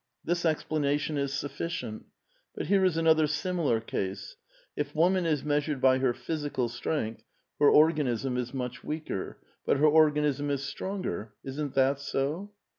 This explanation is sufficient. But here is another similar ease. If woman is measured by her physical strength, her organism is much weaker ; but her organism is stronger. Isn't that so?"